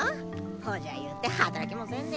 ほうじゃゆうて働きもせんで。